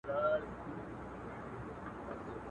o د نورو ديد د بادينزي گومان.